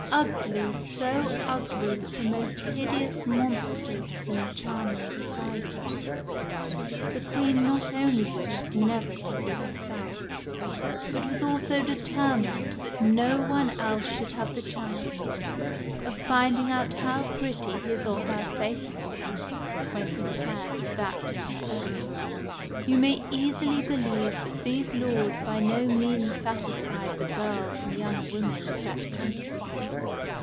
Ugly, so ugly that the most hideous monsters seemed charming beside her, the Queen not only wished never to see herself, but was also determined that no one else should have the chance of finding out how pretty his or her face was when compared to that of her own. You may easily believe that these laws by no means satisfied the girls and young women of that country.